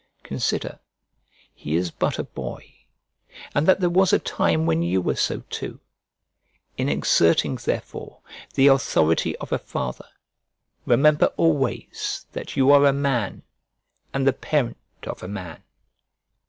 Consider, he is but a boy, and that there was a time when you were so too. In exerting, therefore, the authority of a father, remember always that you are a man, and the parent of a man.